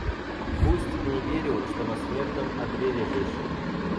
Пусть, — не верю, что на смертном одре лежишь.